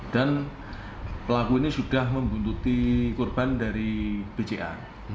dan pelaku ini sudah membuntuti korban dari bca